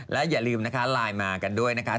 และอย่าลืมนะคะไลน์มากันด้วยนะคะ